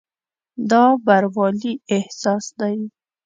دا بروالي احساس دی.